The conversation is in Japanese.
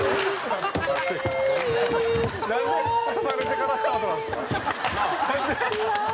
なんで刺されてからスタートなんですか？